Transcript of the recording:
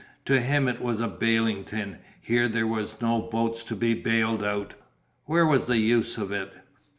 To him it was a baling tin; here there were no boats to be baled out where was the use of it?